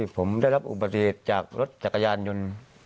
ผมได้รับอุปกรณ์จากรถจักรยานยนต์